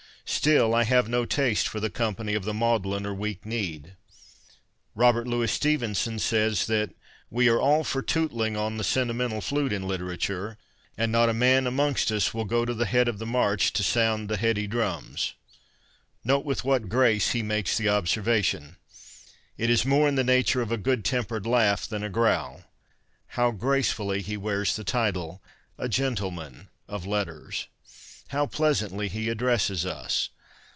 Still, I have no taste for the company of the maudlin or weak kneed. Robert Louis Stevenson 27 28 CONFESSIONS OF A BOOK LOVER says that ' we are all for tootling on the senti mental flute in literature ; and not a man amongst us will go to the head of the march to sound the heady drums !' Note with what grace he makes the observation ! It is more in the nature of a good tempered laugh than a growl. How gracefully he wears the title — a Gentleman of Letters ! How pleasantly he addresses us